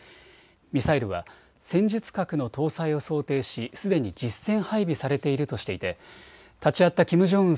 ミサイルは戦術核の搭載を想定しすでに実戦配備されているとしていて立ち会ったキム・ジョンウン